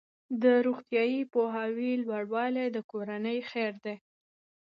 د روغتیايي پوهاوي لوړوالی د کورنۍ خیر دی.